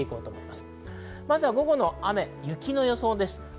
まずは午後の雨、雪の予想です。